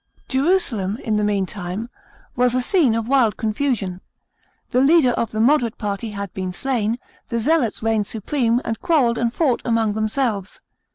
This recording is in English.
§ 19. Jerusalem, in the meantime, was a scene of wild confusion. The leader of the moderate party had been slain, the Zealots reigned supreme, and quarrelled and fought among themselves.